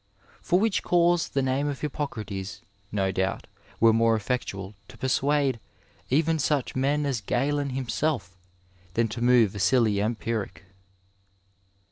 For which cause the name of Hippocrates (no doubt) were more effectual to persuade even such men as Galen himself than to move a silly empiric."